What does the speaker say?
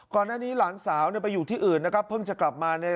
ก่อนหน้านี้หลานสาวไปอยู่ที่อื่นเพิ่งจะกลับมา